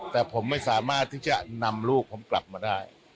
แต่ผมไม่สามารถที่จะนำลูกผมกลับมาได้